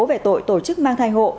về tội tổ chức mang thai hộ